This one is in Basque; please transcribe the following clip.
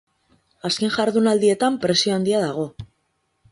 Azken jardunaldietan presio handia dago.